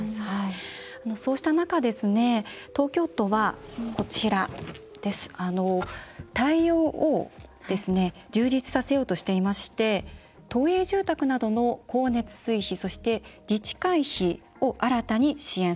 そうした中で東京都は対応を充実させようとしていまして都営住宅などの光熱水費そして自治会費を新たに支援。